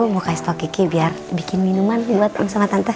mau kasih tau kiki biar bikin minuman buat oma sama tante